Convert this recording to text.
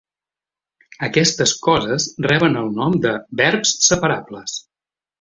Aquestes coses reben el nom de "verbs separables."